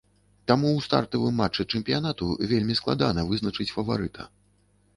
Таму ў стартавым матчы чэмпіянату вельмі складана вызначыць фаварыта.